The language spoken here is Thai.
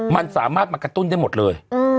มันสามารถมากระตุ้นได้หมดเลย